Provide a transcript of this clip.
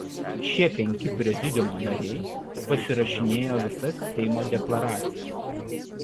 Šie penki prezidiumo nariai pasirašinėjo visas Seimo deklaracijas.